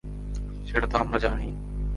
সেটা তো আমরা জানিই!